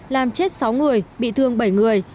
làm chết sáu người bị thương bảy người